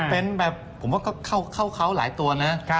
เป็นแบบผมว่าก็เข้าเขาหลายตัวนะ